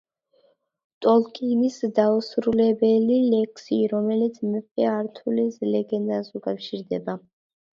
ტოლკინის დაუსრულებელი ლექსი, რომელიც მეფე ართურის ლეგენდას უკავშირდება.